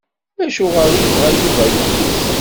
Acuɣer i yebɣa Yuba ayis?